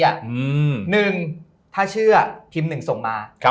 หนึ่งถ้าเชื่อพิมพ์หนึ่งส่งมา